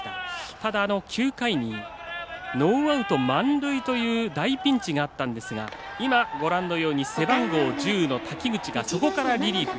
ただ、９回にノーアウト満塁という大ピンチがあったんですが背番号１０の滝口がそこからリリーフ。